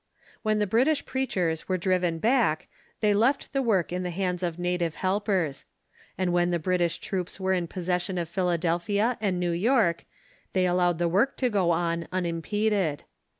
When the British preachers were driven back, they left the Avork in the hands of native helpers. And when the British troops were in possession of Philadelphia and New York, they allowed the work to go on unimpeded.